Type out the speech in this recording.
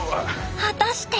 果たして。